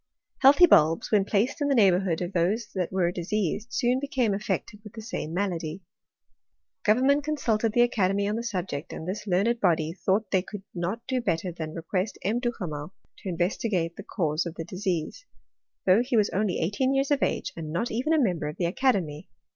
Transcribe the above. Healthy bulbs, when placed in the neighbourhood of those that were diseased, soon became affected with the same malady. Government consulted the aca demy on the subject ; and this learned body thought they could not do better than request M. Duhamel to investigate the cause of the disease ; though he was only eighteen years of age, and not even a member of the academy.